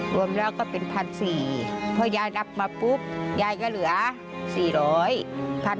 รวมแล้วก็เป็น๑๔๐๐พอยายรับมาปุ๊บยายก็เหลือ๔๐๐บาท